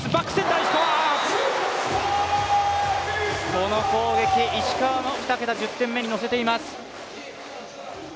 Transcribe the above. この攻撃、石川も２桁１０点目にのせています。